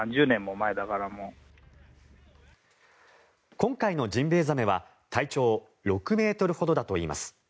今回のジンベエザメは体長６ｍほどだといいます。